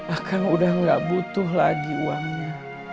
akan udah gak butuh lagi uangnya